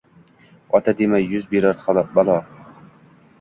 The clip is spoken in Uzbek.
Ota dema, yuz berur balo.